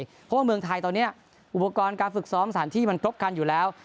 เพราะว่าเมืองไทยตอนนี้อุปกรณ์การฝึกซ้อมสถานที่มันครบคันอยู่แล้ว